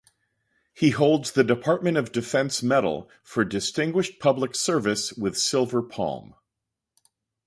He holds the Department of Defense Medal for Distinguished Public Service with silver palm.